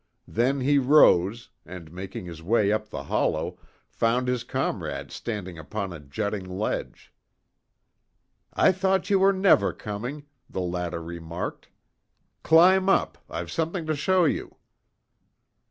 Then he rose, and making his way up the hollow, found his comrade standing upon a jutting ledge. "I thought you were never coming," the latter remarked. "Climb up; I've something to show you."